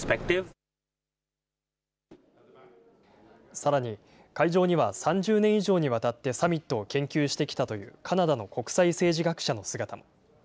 さらに、会場には３０年以上にわたってサミットを研究してきたというカナダの国際政治学者の姿も。